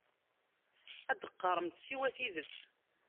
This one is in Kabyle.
Ad d-teqqaremt siwa tidet.